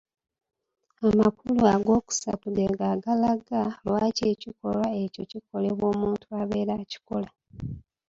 Amakulu agookusatu geego agalaga lwaki ekikolwa ekyo kikolebwa omuntu abeera akikola